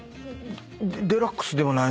デラックスではない。